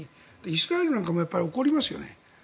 イスラエルなんかも怒りますよね。